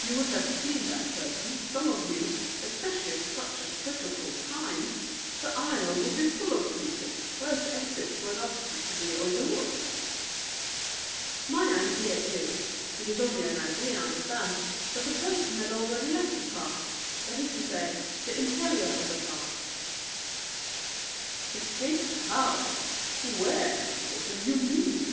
You would have seen that person, some of you, especially at such a critical time. The aisle would be full of people, both exits were thus practically overlooked." "My idea is it is only an idea, understand that the person had already left the car that is to say, the interior of the car." "Escaped how? Where? What do you mean?"